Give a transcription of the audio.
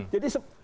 yang kedua pemilu